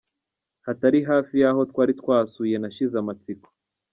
hatari hafi y’aho twari twasuye, nashize amatsiko.